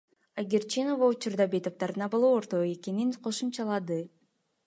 Айгерчинова учурда бейтаптардын абалы орто экенин кошумчалады.